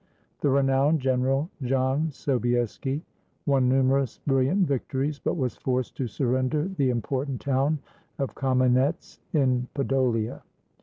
The renowned general, John Sobieski, won numerous bril liant victories, but was forced to surrender the important town of Kamenetz in Podolia.